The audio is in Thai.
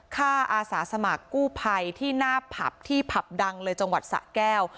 อาสาสมัครกู้ภัยที่หน้าผับที่ผับดังเลยจังหวัดสะแก้ว